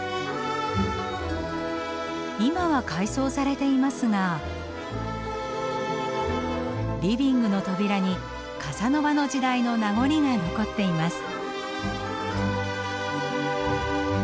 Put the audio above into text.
今は改装されていますがリビングの扉にカサノバの時代の名残が残っています。